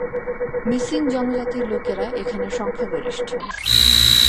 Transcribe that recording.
Missing জনজাতির লোকেরা এখানে সংখ্যা গরিষ্ঠ।